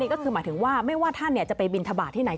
ราบมากก็หมายถึงว่าไม่ว่าท่านจะไปบิณฑบาทที่ไหน